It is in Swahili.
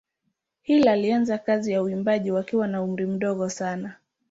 Hill alianza kazi za uimbaji wakiwa na umri mdogo sana.